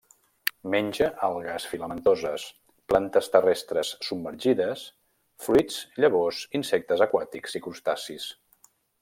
Menja algues filamentoses, plantes terrestres submergides, fruits, llavors, insectes aquàtics i crustacis.